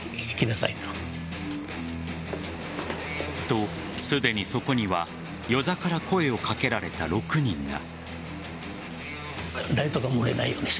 と、すでにそこには與座から声を掛けられた６人が。